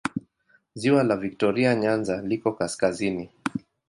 Ziwa la Viktoria Nyanza liko kaskazini.